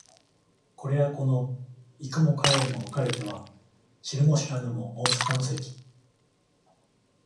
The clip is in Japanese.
これやこの行くも帰るも別れては知るも知らぬも逢坂の関